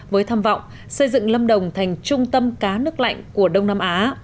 với tham vọng xây dựng lâm đồng thành trung tâm cá nước lạnh của đông nam á